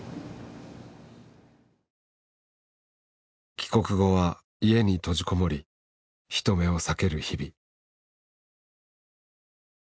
帰国後は家に閉じ籠もり人目を避ける日々。